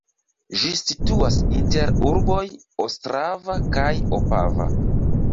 Ĝi situas inter urboj Ostrava kaj Opava.